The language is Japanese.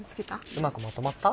うまくまとまった？